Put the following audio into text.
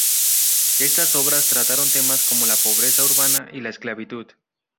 Estas obras trataron temas como la pobreza urbana y la esclavitud.